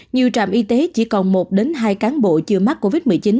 nhiều trạm y tế chỉ còn một hai cán bộ chưa mắc covid một mươi chín